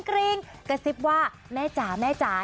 กระซิบว่าแม่จ๋าแม่จ๋า